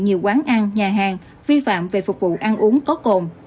nhiều quán ăn nhà hàng vi phạm về phục vụ ăn uống có cồn